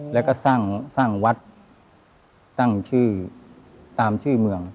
แล้วก็สร้างวัดตั้งชื่อตามชื่อเมือง